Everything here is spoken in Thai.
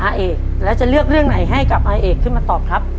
อาเอกแล้วจะเลือกเรื่องไหนให้กับอาเอกขึ้นมาตอบครับ